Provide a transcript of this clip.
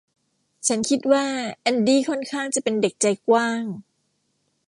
ฉันคิดว่าแอนดี้ค่อนข้างจะเป็นเด็กใจกว้าง